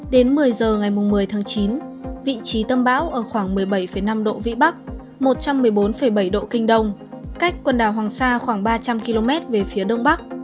đến một mươi giờ ngày một mươi tháng chín vị trí tâm bão ở khoảng một mươi bảy năm độ vĩ bắc một trăm một mươi bốn bảy độ kinh đông cách quần đảo hoàng sa khoảng ba trăm linh km về phía đông bắc